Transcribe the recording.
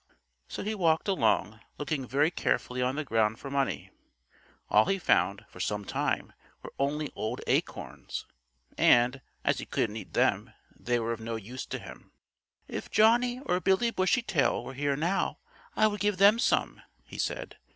So he walked along, looking very carefully on the ground for money. All he found for some time were only old acorns, and, as he couldn't eat them, they were of no use to him. "If Johnnie or Billie Bushytail were here now I would give them some," he said.